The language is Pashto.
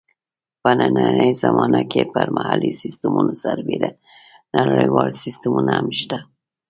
په نننۍ زمانه کې پر محلي سیسټمونو سربېره نړیوال سیسټمونه هم شته.